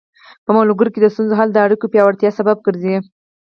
په ملګرو کې د ستونزو حل د اړیکو پیاوړتیا سبب ګرځي.